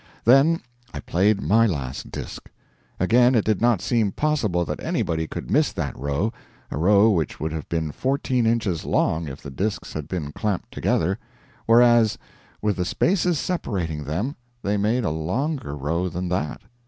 Then I played my last disk. Again it did not seem possible that anybody could miss that row a row which would have been 14 inches long if the disks had been clamped together; whereas, with the spaces separating them they made a longer row than that.